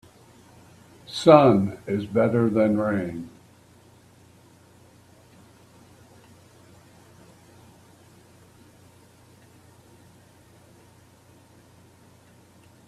Sun is better than rain.